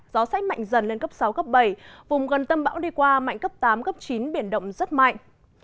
gió sách mạnh dần lên cấp sáu cấp bảy vùng gần tâm bão đi qua mạnh cấp tám cấp chín biển động rất mạnh